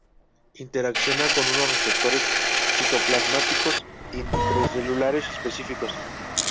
Interacciona con unos receptores citoplasmáticos intracelulares específicos.